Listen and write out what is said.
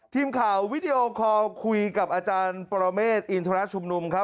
ทีมข่าววิดีโอคอลคุยกับอาจารย์ปรเมฆอินทรชุมนุมครับ